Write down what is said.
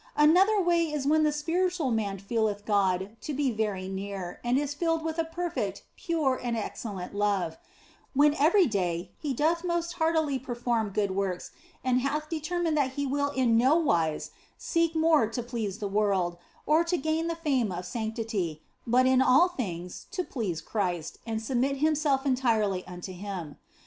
Another way is when the spiritual man feeleth God to be very near and is filled with a perfect, pure, and ex cellent love ; when every day he doth most heartily per form good works and hath determined that he will in no wise seek more to please the world, or to gain the fame of sanctity, but in all things to please Christ and submit himself entirely unto Him.